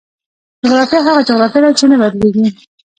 جغرافیه هغه جغرافیه ده چې نه بدلېږي.